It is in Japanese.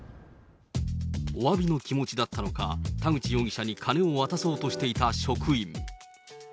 おわびの気持ちだったのか、田口容疑者に金を渡そうとしていた職員。